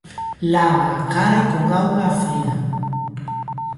Lava a cara con auga fría.